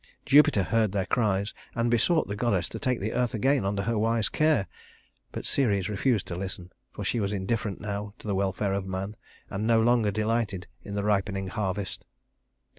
Jupiter heard their cries and besought the goddess to take the earth again under her wise care; but Ceres refused to listen, for she was indifferent now to the welfare of men, and no longer delighted in the ripening harvest.